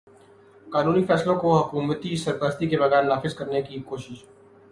قانونی فیصلوں کو حکومتی سرپرستی کے بغیر نافذ کرنے کی کوشش